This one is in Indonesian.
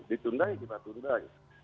ditundai ya kita tundai